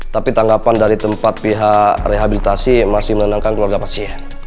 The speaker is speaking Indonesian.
tapi tanggapan dari tempat pihak rehabilitasi masih menenangkan keluarga pasien